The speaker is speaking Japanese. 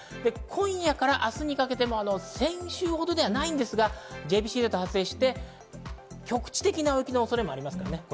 今夜から明日にかけても先週ほどではないんですがＪＰＣＺが発生して局地的な大雪の恐れがあります。